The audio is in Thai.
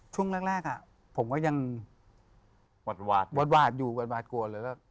ช่วงแรกผมก็ยังวัดวาดอยู่วัดวาดกวนเลย